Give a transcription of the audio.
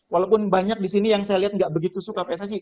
walaupun banyak di sini yang saya lihat nggak begitu suka pssi